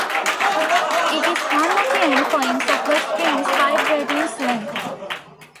It is one of the endpoints of the strings' vibrating length.